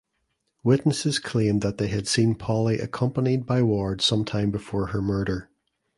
Witnesses claimed that they had seen Polly accompanied by Ward sometime before her murder.